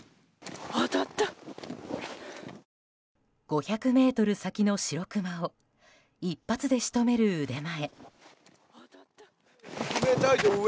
５００ｍ先のシロクマを一発で仕留める腕前。